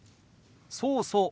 そうそう。